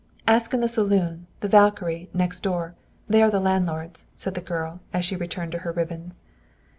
"Ask in the saloon the "Valkyrie" next door. They are the landlords," said the girl as she returned to her ribbons.